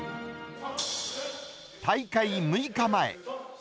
大会６日前。